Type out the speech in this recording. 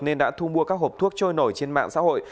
nên đã thu mua các hộp thuốc trôi nổi trên mạng xã hội